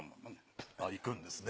行くんですね